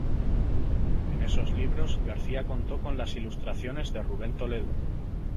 En esos libros, García contó con las ilustraciones de Ruben Toledo.